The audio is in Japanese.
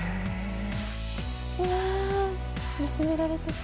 うわあ見つめられてる。